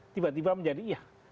tiba tiba menjadi iya